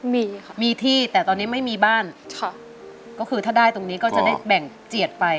มีค่ะมีที่แต่ตอนนี้ไม่มีบ้านค่ะก็คือถ้าได้ตรงนี้ก็จะได้แบ่งเจียดไป